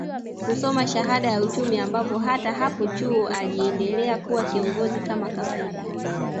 kusoma shahada ya Uchumi ambapo hata hapo chuo aliendelea kuwa kiongozi kama kawaida